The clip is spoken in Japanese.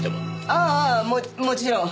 ああももちろん。